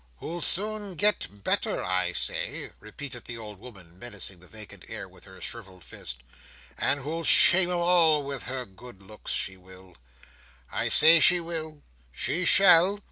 "Who'll soon get better, I say," repeated the old woman, menacing the vacant air with her shrivelled fist, "and who'll shame 'em all with her good looks—she will. I say she will! she shall!"